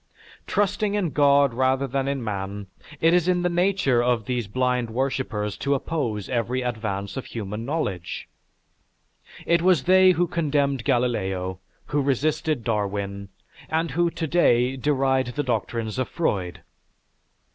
Trusting in God rather than in man it is in the nature of these blind worshippers to oppose every advance of human knowledge. It was they who condemned Galileo, who resisted Darwin and who to day deride the doctrines of Freud."